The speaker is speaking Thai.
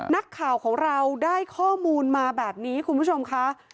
นักข่าวของเราได้ข้อมูลมาแบบนี้คุณผู้ชมค่ะ